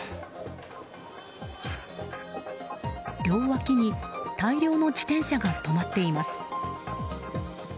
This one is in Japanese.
両脇に大量の自転車が止まっています。